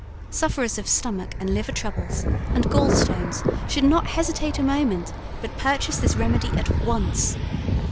Sufferers of Stomach and Liver troubles and Gall Stones should not hesitate a moment, but purchase this remedy at once.